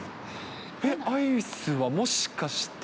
アイスはもしかして？